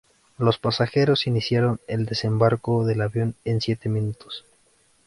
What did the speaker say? Los pasajeros iniciaron el desembarco del avión en siete minutos.